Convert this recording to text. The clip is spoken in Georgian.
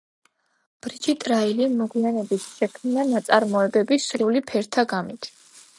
ბრიჯიტ რაილიმ მოგვიანებით შექმნა ნაწარმოებები სრული ფერთა გამით.